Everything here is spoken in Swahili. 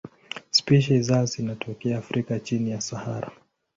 Spishi za zinatokea Afrika chini ya Sahara.